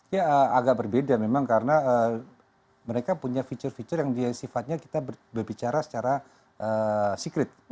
ya agak berbeda memang karena mereka punya fitur fitur yang sifatnya kita berbicara secara secret